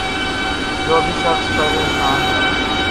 جو بھی شخص پریشان ہے